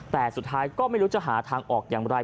แต่สุดท้ายก็ไม่รู้จะหาทางออกอย่างไร